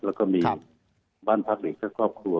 แล้วก็มีบ้านพักเด็กและครอบครัว